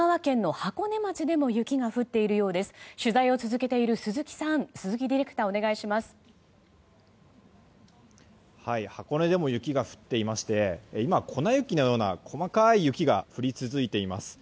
箱根でも雪が降っていまして今、粉雪のような細かい雪が降り続いています。